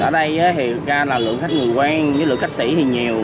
ở đây thì thực ra là lượng khách người quen với lượng khách sĩ thì nhiều